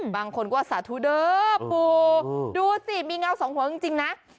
บางคนก็ว่าสถุด้อปดูสิมีเงาสองหัวกันจริงนะ